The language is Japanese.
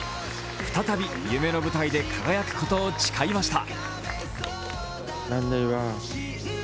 再び、夢の舞台で輝くことを誓いました。